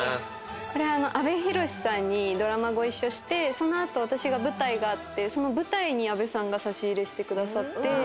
これは阿部寛さんにドラマご一緒してその後私が舞台があってその舞台に阿部さんが差し入れしてくださって。